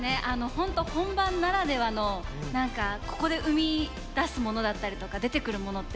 本当本番ならではの何かここで生み出すものだったりとか出てくるものって